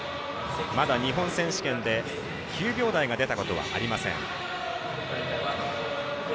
まだ日本選手権で９秒台が出たことはありません。